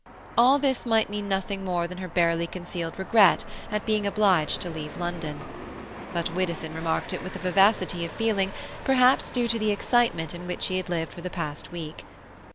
All this might mean nothing more than her barely concealed regret at being obliged to leave London; but Widdowson remarked it with a vivacity of feeling perhaps due to the excitement in which he had lived for the past week.